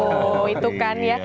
aduh itu kan ya